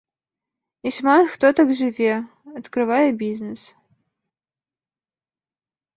І шмат хто так жыве, адкрывае бізнэс.